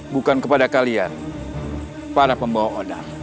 bukan kepada kalian para pembawa odang